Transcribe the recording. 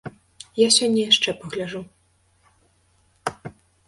Я сёння яшчэ пагляджу.